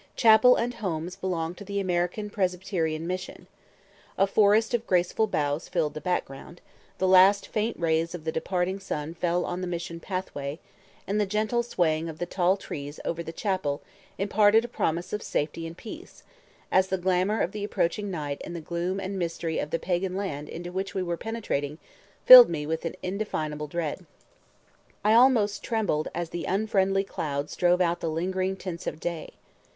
Chapel and homes belong to the American Presbyterian Mission. A forest of graceful boughs filled the background; the last faint rays of the departing sun fell on the Mission pathway, and the gentle swaying of the tall trees over the chapel imparted a promise of safety and peace, as the glamour of the approaching night and the gloom and mystery of the pagan land into which we were penetrating filled me with an indefinable dread. I almost trembled, as the unfriendly clouds drove out the lingering tints of day.